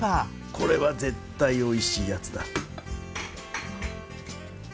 これは絶対おいしいやつだ。